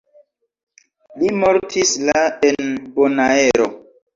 Li mortis la en Bonaero.